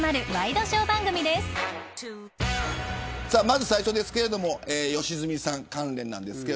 まず、最初ですけれども良純さん関連です。